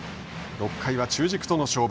６回は中軸との勝負。